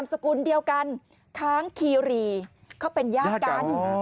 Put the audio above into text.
นามสกุลเดียวกันค้างคียูรีเค้าเป็นยาดกัน